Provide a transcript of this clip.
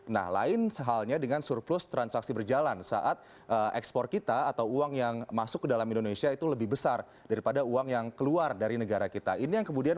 nah lain halnya dengan surplus transaksi berjalan saat ekspor kita atau uang yang masuk ke dalam indonesia itu lebih besar daripada uang yang keluar dari negara asing dari para investor egy college adanya